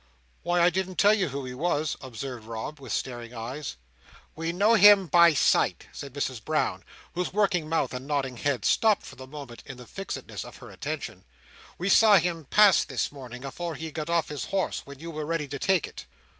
"Why, I didn't tell you who he was," observed Rob, with staring eyes. "We know him by sight," said Mrs Brown, whose working mouth and nodding head stopped for the moment, in the fixedness of her attention. "We saw him pass this morning, afore he got off his horse; when you were ready to take it."